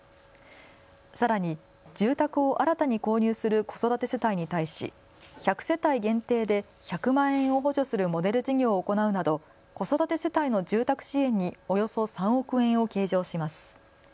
さらに住宅を新たに購入する子育て世帯に対し１００世帯限定で１００万円を補助するモデル事業を行うなど子育て世帯の住宅支援におよそ３億円を計上します。